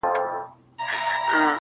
د سکريټو آخيري قطۍ ده پاته.